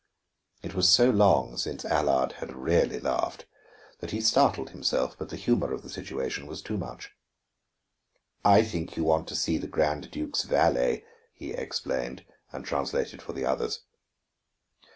It was so long since Allard had really laughed that he startled himself, but the humor of the situation was too much. "I think you want to see the Grand Duke's valet," he explained, and translated for the others.